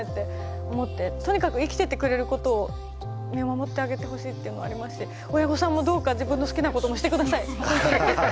とにかく生きててくれることを見守ってあげてほしいっていうのはありますし親御さんもどうか自分の好きなこともして下さいほんとに。